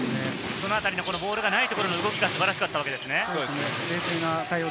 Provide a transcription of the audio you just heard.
そのあたりの、ボールがないところの対応がすごかったわけですね。